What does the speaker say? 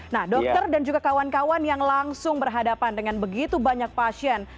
nah dokter dan juga kawan kawan yang langsung berhadapan dengan begitu banyak pasien